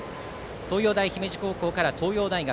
東洋大姫路から東洋大学